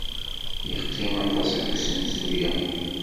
Yeqqim aṭas deg usensu-a.